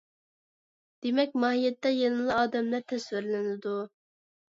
دېمەك، ماھىيەتتە يەنىلا ئادەملەر تەسۋىرلىنىدۇ.